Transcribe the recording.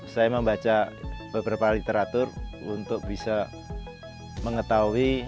saya membaca beberapa literatur untuk bisa mengetahui